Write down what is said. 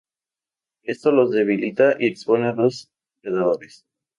Esto los debilita y expone a los predadores.